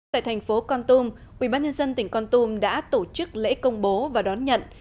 tại thành phố con tum ubnd tỉnh con tum đã tổ chức lễ công bố và đón nhận